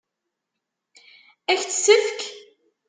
Ad k-tt-tefk?